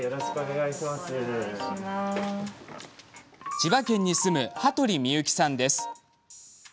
千葉県に住む羽鳥深雪さんです。